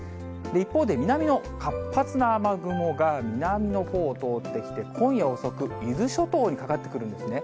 一方で、南の活発な雨雲が南のほうを通ってきて、今夜遅く、伊豆諸島にかかってくるんですね。